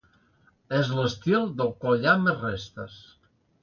És l'estil del qual hi ha més restes.